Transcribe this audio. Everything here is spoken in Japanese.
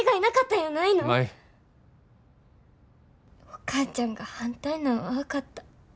お母ちゃんが反対なんは分かった。